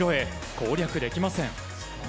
攻略できません。